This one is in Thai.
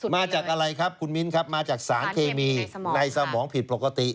มาจากอะไรครับคุณมิ้นครับมาจากสารเคมีในสมองผิดปกติ